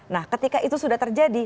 nah ketika itu sudah terjadi